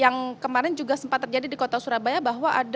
yang kemarin juga sempat terjadi di kota surabaya bahwa ada